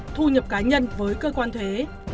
thu nhập cá nhân với cơ quan thuế